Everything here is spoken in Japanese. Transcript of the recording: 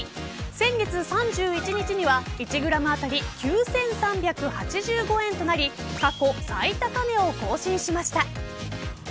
先月３１日には１グラムあたり９３８５円となり過去最高値を更新しました。